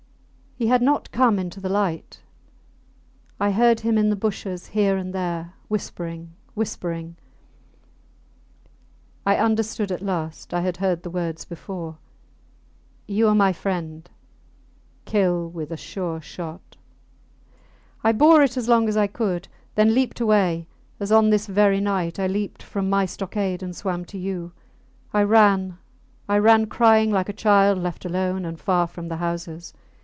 He had not come into the light. I heard him in the bushes here and there, whispering, whispering. I understood at last I had heard the words before, You are my friend kill with a sure shot. I bore it as long as I could then leaped away, as on this very night I leaped from my stockade and swam to you. I ran I ran crying like a child left alone and far from the houses.